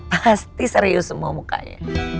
pasti serius semua mukanya